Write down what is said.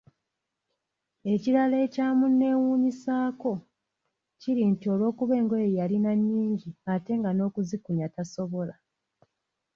Ekirala ekyamunneewuunyisaako, kiri nti olwokuba engoye yalina nnyingi ate nga nokuzikunya tasobola